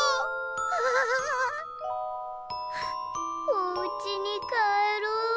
「おうちにかえろうよ」。